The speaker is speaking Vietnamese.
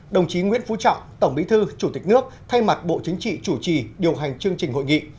đồng chí nguyễn phú trọng tổng bí thư chủ tịch nước thay mặt bộ chính trị chủ trì điều hành chương trình hội nghị